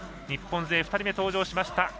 日本勢２人目で登場しました。